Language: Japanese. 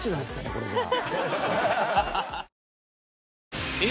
これじゃあ。